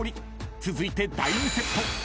［続いて第２セット］